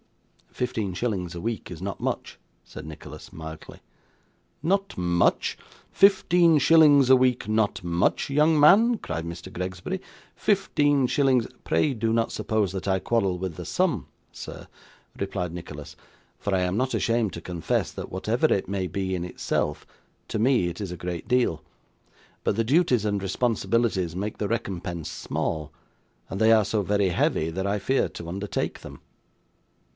'Fifteen shillings a week is not much,' said Nicholas, mildly. 'Not much! Fifteen shillings a week not much, young man?' cried Mr Gregsbury. 'Fifteen shillings a ' 'Pray do not suppose that I quarrel with the sum, sir,' replied Nicholas; 'for I am not ashamed to confess, that whatever it may be in itself, to me it is a great deal. But the duties and responsibilities make the recompense small, and they are so very heavy that I fear to undertake them.